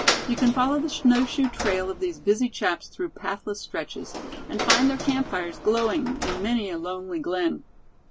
"You can follow the snowshoe trail of these busy chaps through pathless stretches, and find their camp fires glowing in many a lonely glen.